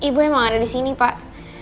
tapi ibu lagi gak mau bicara sama bapak